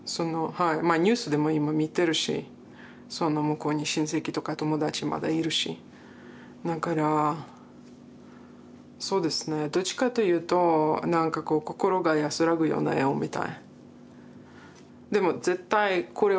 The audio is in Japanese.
ニュースでも今見てるしその向こうに親戚とか友達まだいるしだからそうですねどっちかというとなんかこう心が安らぐような絵を見たい。